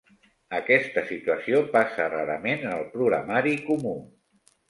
Aquesta situació passa rarament en el programari comú.